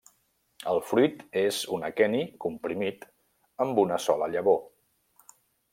El fruit és un aqueni comprimit amb una sola llavor.